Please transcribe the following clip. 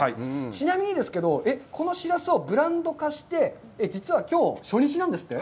ちなみにですけど、このしらすをブランド化して、実はきょう、初日なんですって？